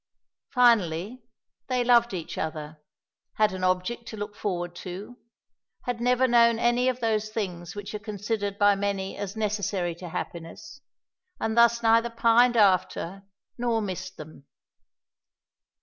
Finally, they loved each other, had an object to look forward to, had never known any of those things which are considered by many as necessary to happiness, and thus neither pined after nor missed them.